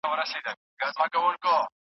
عقل او فکر د توحيد بنسټ دی.